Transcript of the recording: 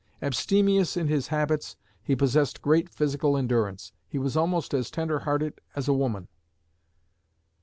Abstemious in his habits, he possessed great physical endurance. He was almost as tender hearted as a woman.